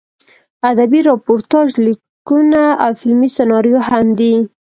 ادبي راپورتاژ لیکونه او فلمي سناریو هم دي.